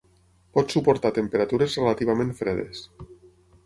Pot suportar temperatures relativament fredes.